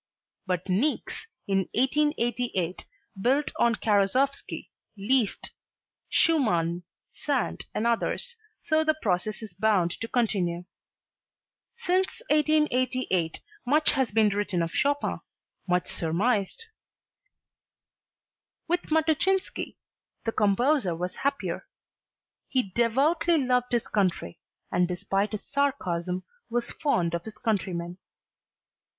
But Niecks, in 1888, built on Karasowski, Liszt, Schumann, Sand and others, so the process is bound to continue. Since 1888 much has been written of Chopin, much surmised. With Matuszysnki the composer was happier. He devoutly loved his country and despite his sarcasm was fond of his countrymen.